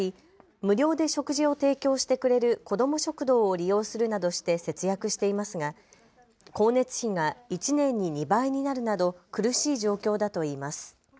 無料で食事を提供してくれる子ども食堂を利用するなどして節約していますが、光熱費が１年に２倍になるなど苦しい状況だといいます。